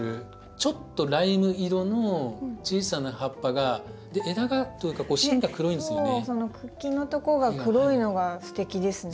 ちょっとライム色の小さな葉っぱがで枝がというか芯が黒いんですよね。